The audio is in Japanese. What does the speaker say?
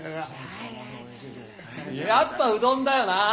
やっぱうどんだよなあ。